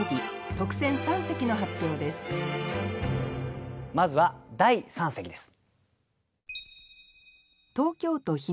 特選三席の発表ですまずは第三席です。